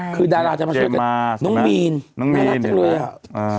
คือดาราจะมาช่วยกันน้องมีนน้องมีนเห็นไหมอ่า